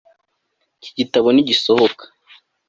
Iki gitabo ntigisohoka